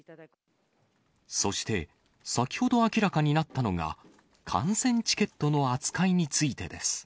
そして、先ほど明らかになったのが、観戦チケットの扱いについてです。